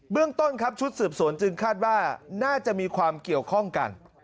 เรื่องต้นครับชุดสืบสวนจึงคาดว่าน่าจะมีความเกี่ยวข้องกัน